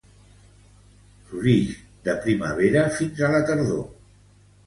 Florix de primavera fins a la tardor.